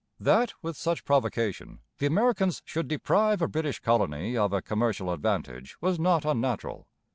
That, with such provocation, the Americans should deprive a British colony of a commercial advantage was not unnatural.